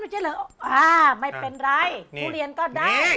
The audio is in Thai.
อ้าไม่เป็นไรขุเรียนก็ได้